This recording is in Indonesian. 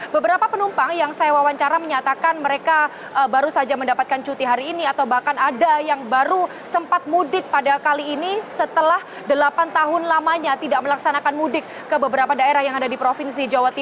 beberapa penumpang yang saya wawancara menyatakan mereka baru saja mendapatkan cuti hari ini atau bahkan ada yang baru sempat mudik pada kali ini setelah delapan tahun lamanya tidak melaksanakan cuti